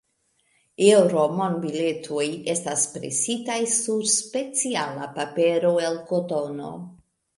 Eŭro-monbiletoj estas presitaj sur speciala papero el kotono.